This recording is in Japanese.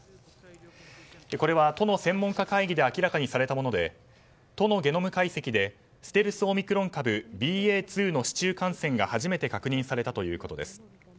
これは都の専門家会議で明らかにされたもので都のゲノム解析でステルスオミクロン株ＢＡ．２の市中感染が初めて確認されたということです。